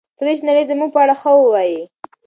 پرېږدئ چې نړۍ زموږ په اړه ښه ووایي.